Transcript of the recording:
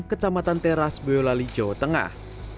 kecamatan teras boyolali jawa tengah